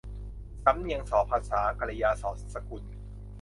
สำเนียงส่อภาษา กิริยาส่อสกุล